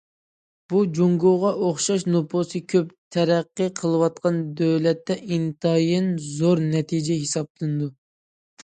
بۇ جۇڭگوغا ئوخشاش نوپۇسى كۆپ، تەرەققىي قىلىۋاتقان دۆلەتتە ئىنتايىن زور نەتىجە ھېسابلىنىدۇ.